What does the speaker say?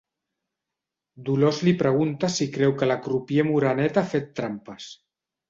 Dolors li pregunta si creu que la crupier moreneta ha fet trampes.